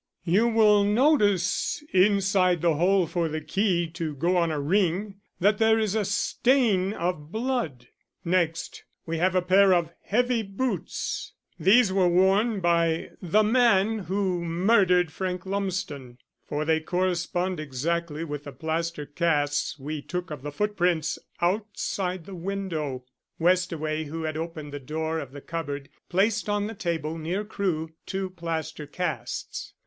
You will notice, inside the hole for the key to go on a ring, that there is a stain of blood. Next, we have a pair of heavy boots. These were worn by the man who murdered Frank Lumsden, for they correspond exactly with the plaster casts we took of the footprints outside the window." Westaway, who had opened the door of the cupboard, placed on the table near Crewe two plaster casts.